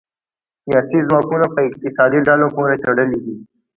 سیاسي ځواکونه په اقتصادي ډلو پورې تړلي دي